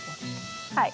はい。